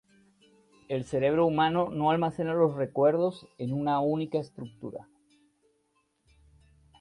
El cerebro humano no almacena los recuerdos en una única estructura.